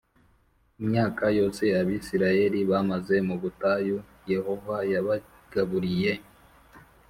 Imyaka yose abisirayeli bamaze mu butayu yehova yabagaburiye